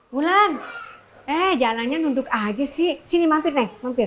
bulan eh jalannya nunduk aja sih sini mampir mampir